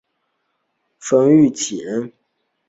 冯誉骥人。